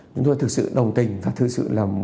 chúng tôi thực sự đồng tình và thực sự là